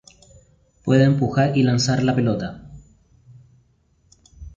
Puede empujar y lanzar la pelota.